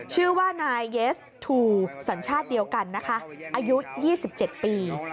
ชื่อว่านายเยสทูสัญชาติเดียวกันนะคะอายุ๒๗ปี